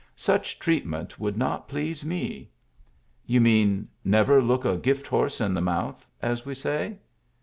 "Such treatment would not please me. "You mean, * never look a gift horse in the mouth,' as we say?"